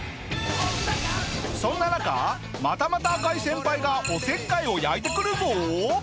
そんな中またまた赤井先輩がお節介を焼いてくるぞ！